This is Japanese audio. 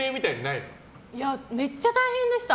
いや、めっちゃ大変でした。